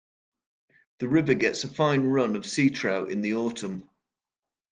The river gets a fine run of seatrout in the autumn.